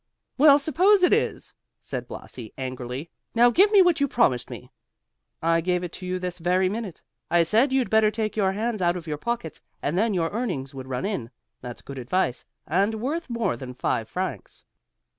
"Well, suppose it is," said Blasi, angrily. "Now give me what you promised me." "I gave it to you this very minute. I said you'd better take your hands out of your pockets, and then your earnings would run in. That's good advice and worth more than five francs.